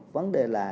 vấn đề là